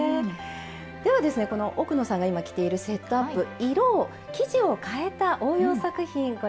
ではですね奥野さんが今着ているセットアップ色を生地を変えた応用作品ご覧頂きましょう。